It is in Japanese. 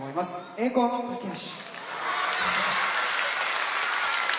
「栄光の架橋」。